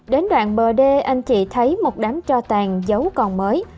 đến đoạn bờ đê anh chị thấy một đám trò tàn giấu còn mới